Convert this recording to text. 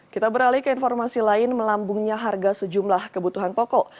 kita beralih ke informasi lain melambungnya harga sejumlah kebutuhan pokok